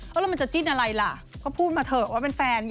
แล้วมันจะจิ้นอะไรล่ะก็พูดมาเถอะว่าเป็นแฟนไง